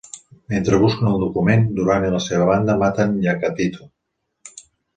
Mentre busquen el document, Durant i la seva banda maten Yakatito.